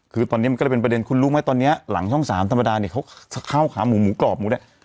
คือตอนนี้มันก็เลยเป็นประเด็นคุณรู้ไหมตอนนี้หลังช่อง๓ธรรมดาเนี่ยเขาเข้าขาหมูหมูกรอบหมูเนี่ย